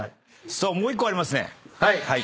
さあもう１個ありますね。